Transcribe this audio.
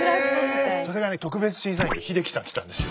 それがね特別審査員で秀樹さん来たんですよ。